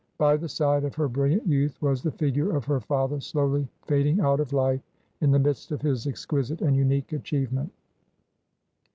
By the side of her brilliant youth was the figure of her iather slowly &ding out of life in the midst of his exquisite and unique achievement.